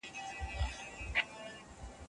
که استاد په املا کي د پوښتنې جملې ووایي.